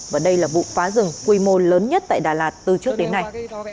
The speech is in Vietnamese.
và đây là vụ phá rừng quy mô lớn nhất tại đà lạt từ trước đến nay